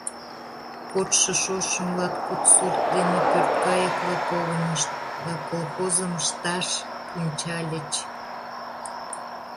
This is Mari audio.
Кодшо шошым латкуд сурт дене пӧрткайыкла погынышт да колхозым ышташ пунчальыч.